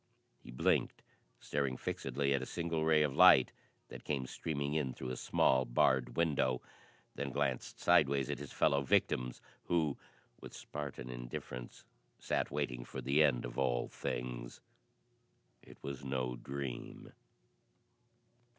He blinked, staring fixedly at a single ray of light that came streaming in through a small, barred window, then glanced sidewise at his fellow victims, who with Spartan indifference sat waiting for the end of all things. It was no dream!